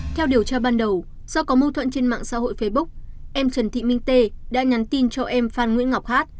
theo điều tra ban đầu do có mâu thuẫn trên mạng xã hội facebook em trần thị minh tê đã nhắn tin cho em phan nguyễn ngọc hát